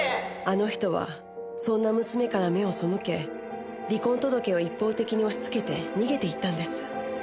あの人はそんな娘から目を背け離婚届を一方的に押し付けて逃げていったんです。